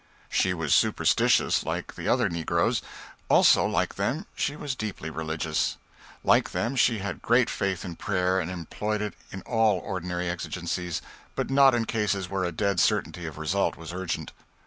She was superstitious like the other negroes; also, like them, she was deeply religious. Like them, she had great faith in prayer, and employed it in all ordinary exigencies, but not in cases where a dead certainty of result was urgent.